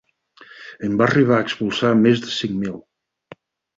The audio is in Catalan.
En va arribar a expulsar més de cinc mil.